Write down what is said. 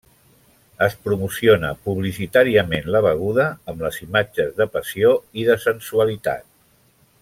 Es promociona publicitàriament la beguda amb les imatges de passió i de sensualitat.